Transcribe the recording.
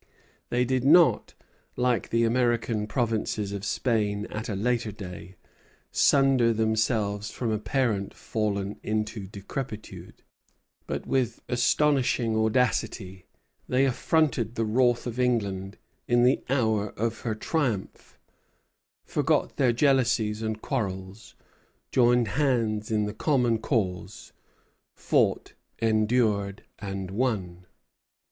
They did not, like the American provinces of Spain at a later day, sunder themselves from a parent fallen into decrepitude; but with astonishing audacity they affronted the wrath of England in the hour of her triumph, forgot their jealousies and quarrels, joined hands in the common cause, fought, endured, and won.